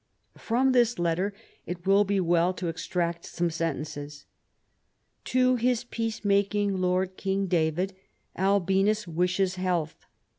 From this letter it will be well to extract some sentences. " To his peace making lord King David, Albinus wishes health.